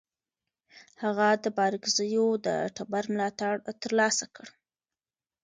هغه د بارکزیو د ټبر ملاتړ ترلاسه کړ.